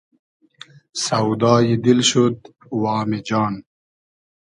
سۆدای دیل شود وامی جان